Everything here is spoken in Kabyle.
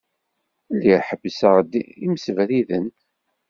Lliɣ ḥebbseɣ-d imsebriden.